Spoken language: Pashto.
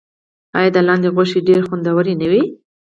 آیا د لاندي غوښه ډیره خوندوره نه وي؟